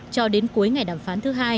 cho đến cuối ngày đàm phán thứ hai